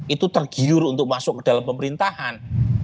itu tergiur untuk masuk ke dalam pemerintahan